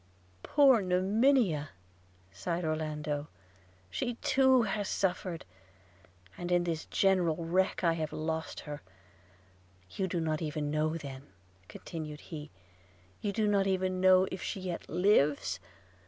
'Poor Monimia!' sighed Orlando, 'she too has suffered, and in this general wreck I have lost her – You do not even know then,' continued he, 'you do not even know if she yet lives?